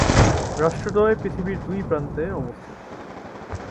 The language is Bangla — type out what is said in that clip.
রাষ্ট্রদ্বয় পৃথিবীর দুই প্রান্তে অবস্থিত।